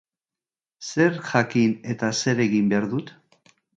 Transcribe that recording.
Zer jakin eta zer egin behar dut?